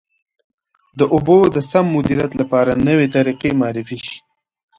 د اوبو د سم مدیریت لپاره نوې طریقې معرفي شي.